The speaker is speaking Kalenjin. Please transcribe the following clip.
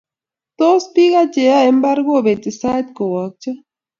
tos, Biko cheyoe imbar kobeti sait kowakcho